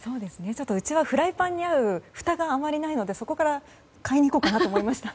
ちょっとうちはフライパンに合うふたがあまりないので、そこから買いに行こうかと思いました。